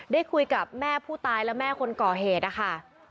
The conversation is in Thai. ได้คุยกับแม่ผู้ตายและแม่คนก่อเหตุนะคะ